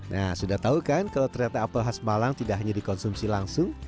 nah sudah tahu kan kalau ternyata apel khas malang tidak hanya dikonsumsi langsung